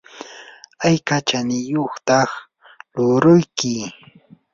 ¿ayka chaniyuqtaq luuruyki?